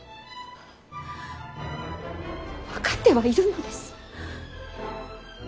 分かってはいるのです。